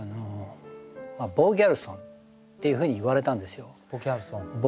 「ボーギャルソン」っていうふうに言われたんですよ。